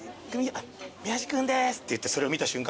「宮治君です」って言ってそれを見た瞬間